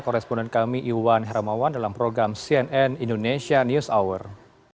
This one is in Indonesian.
koresponden kami iwan heramawan dalam program cnn indonesia news hour